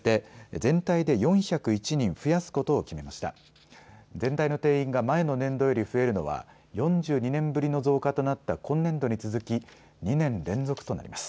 全体の定員が前の年度より増えるのは４２年ぶりの増加となった今年度に続き２年連続となります。